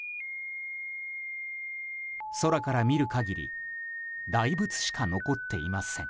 空から見る限り大仏しか残っていません。